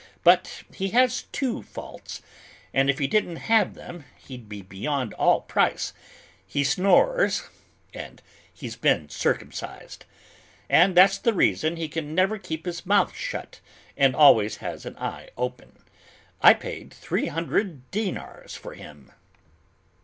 But he has two faults, and if he didn't have them, he'd be beyond all price: he snores and he's been circumcised. And that's the reason he never can keep his mouth shut and always has an eye open. I paid three hundred dinars for him."